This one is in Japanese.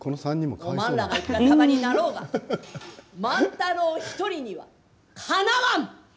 おまんらが、いくら束になろうが万太郎一人にはかなわん！